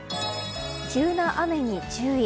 急な雨に注意。